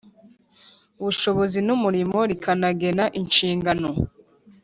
Ubushobozi n Umurimo rikanagena inshingano